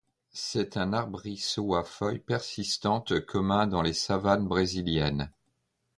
C'est un arbrisseau à feuilles persistantes commun dans les savanes brésiliennes.